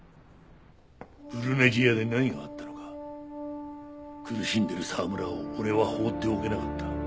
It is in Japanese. ブルネジアで何があったのか苦しんでる沢村を俺は放っておけなかった。